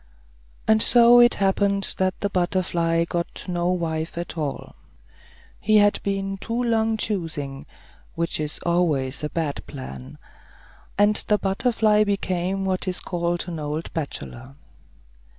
And so it happened that the butterfly got no wife at all. He had been too long choosing, which is always a bad plan. And the butterfly became what is called an old bachelor.